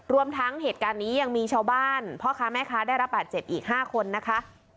รวมทั้งเหตุการณ์นี้ยังมีชาวบ้านพ่อค้าแม่ค้าได้รับบาดเจ็บอีก๕คนนะคะ